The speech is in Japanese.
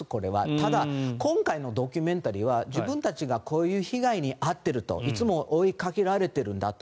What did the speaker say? ただ、今回のドキュメンタリーは自分たちがこういう被害に遭っているといつも追いかけられているんだと。